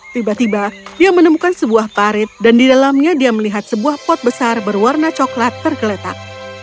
tiba tiba dia menemukan sebuah parit dan di dalamnya dia melihat sebuah pot besar berwarna coklat tergeletak